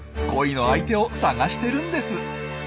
恋の相手を探してるんです。